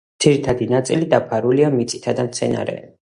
ძირითადი ნაწილი დაფარულია მიწითა და მცენარეებით.